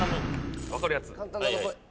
分かるやつ。